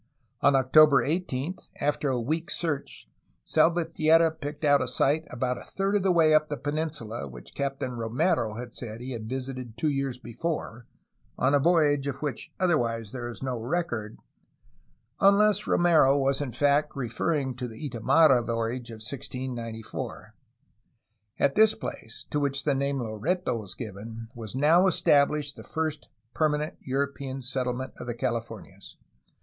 On October 18, after a week^s search, Salvatierra picked out a site about a third of the way up the peninsula which Captain Romero said he had visited two years before — on a voyage of which otherwise there is no record, unless Romero was in fact referring to the Itamarra voyage of 1694. At this place, to which the name Loreto was given, was now estabhshed the first permanent European settle ment of the Californias.